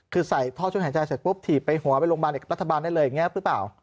คือใส่ท่อช่วยหายใจเสร็จปุ๊บถีบไปหัวไปโรงพยาบาลรัฐบาลได้เลยอย่างนี้หรือเปล่า